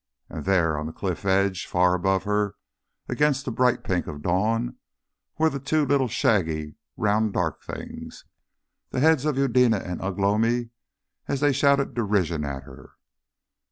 And there, on the cliff edge, far above her against the bright pink of dawn, were two little shaggy round dark things, the heads of Eudena and Ugh lomi, as they shouted derision at her.